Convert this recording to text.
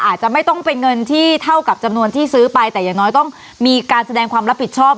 อาจจะไม่ต้องเป็นเงินที่เท่ากับจำนวนที่ซื้อไปแต่อย่างน้อยต้องมีการแสดงความรับผิดชอบ